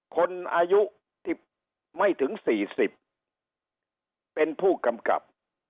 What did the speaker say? คนอายุที่ไม่ถึง๔๐เป็นผู้กำกับ